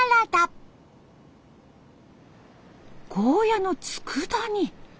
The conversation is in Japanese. ゴーヤのつくだ煮。